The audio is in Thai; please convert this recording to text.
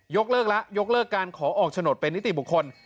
เลิกแล้วยกเลิกการขอออกโฉนดเป็นนิติบุคคล